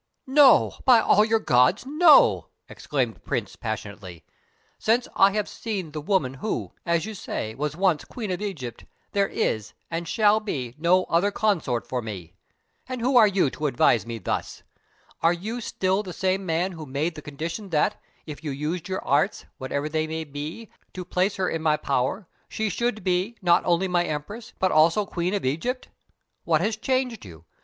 "No, by all your gods, no!" exclaimed the Prince passionately. "Since I have seen the woman who, as you say, was once Queen of Egypt, there is, and shall be, no other consort for me. And who are you to advise me thus? Are you still the same man who made the condition that, if you used your arts, whatever they may be, to place her in my power, she should be, not only my Empress, but also Queen of Egypt? What has changed you?